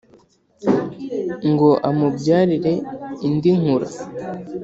Ngo amubyarire indi Nkura,